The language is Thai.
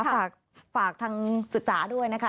ฝากทางศึกษาด้วยนะคะ